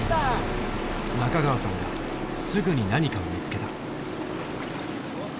中川さんがすぐに何かを見つけた。